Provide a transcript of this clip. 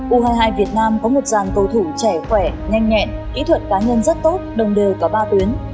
u hai mươi hai việt nam có một dàn cầu thủ trẻ khỏe nhanh nhẹn kỹ thuật cá nhân rất tốt đồng đều có ba tuyến